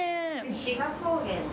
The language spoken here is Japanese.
志賀高原の。